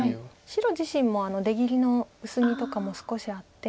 白自身も出切りの薄みとかも少しあって。